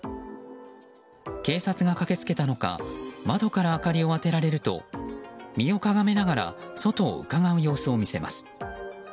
警察が駆け付けたのか窓から明かりを当てられると身をかがめながら外をうかがう様子を見せます。